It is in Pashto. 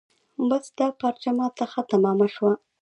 بس دا پارچه ما ته ښه تمامه شوه.